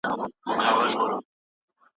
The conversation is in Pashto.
د دولت پاملرنه او د ملت زيار اړين دي.